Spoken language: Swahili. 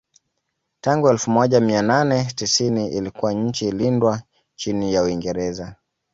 Tangu elfu moja mia nane tisini ilikuwa nchi lindwa chini ya Uingereza